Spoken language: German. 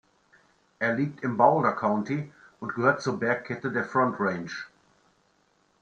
Er liegt im Boulder County und gehört zur Bergkette der Front Range.